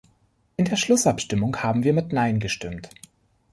In der Schlussabstimmung haben wir mit Nein gestimmt.